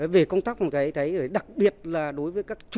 về công tác đặc biệt là đối với các chủ